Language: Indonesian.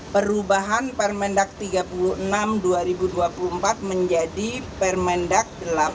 perubahan permendak tiga puluh enam dua ribu dua puluh empat menjadi permendak delapan puluh